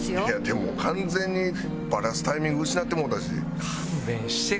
いやでも完全にバラすタイミング失ってもうたし。